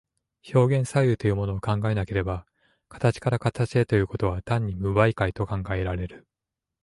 表現作用というものを考えなければ、形から形へということは単に無媒介と考えられる。